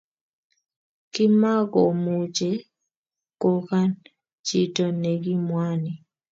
kimakomuche kokan chiton nekimwani